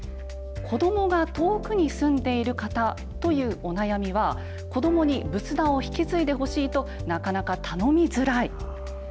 子どもが遠くに住んでいる方というお悩みは、子どもに仏壇を引き継いでほしいと、なかなか頼みづらい。